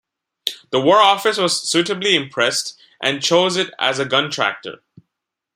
The War Office was suitably impressed and chose it as a gun-tractor.